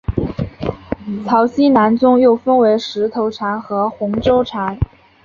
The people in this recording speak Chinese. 曹溪南宗又分为石头禅和洪州禅。